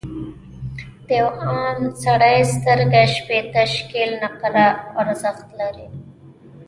د یوه عام سړي سترګه شپیته شِکِل نقره ارزښت لري.